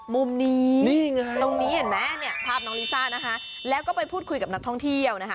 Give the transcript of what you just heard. มุมนี้นี่ไงตรงนี้เห็นไหมเนี่ยภาพน้องลิซ่านะคะแล้วก็ไปพูดคุยกับนักท่องเที่ยวนะคะ